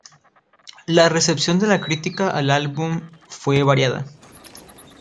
La recepción de la crítica al álbum fue variada.